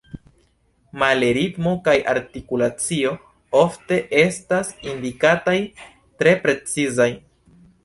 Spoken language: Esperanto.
Male ritmo kaj artikulacio ofte estas indikataj tre precizaj.